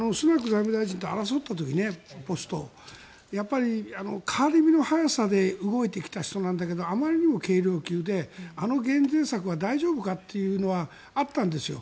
財務大臣とポストを争った時やっぱり、変わり身の早さで動いてきた人なんだけどあまりにも軽量級であの減税策は大丈夫かというのはあったんですよ。